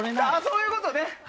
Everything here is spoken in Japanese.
そういうことね！